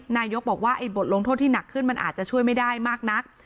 นายกบอกว่าไอ้บทลงโทษที่หนักขึ้นมันอาจจะช่วยไม่ได้มากนัก